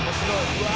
うわ！」